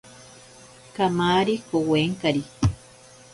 Kamari kowenkari.